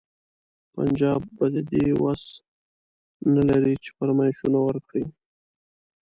پنجاب به د دې وس نه لري چې فرمایشونه ورکړي.